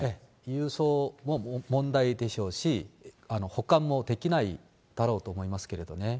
郵送も問題でしょうし、保管もできないだろうと思いますけどね。